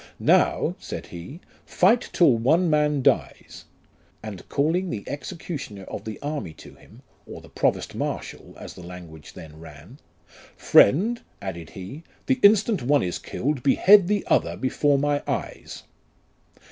' Now,' said he, ' fight till one man dies ;' and calling the executioner of the army to him (or the provost marshal as the language then ran), ' Friend,' added he, ' the instant one is killed, behead the other before my eyes.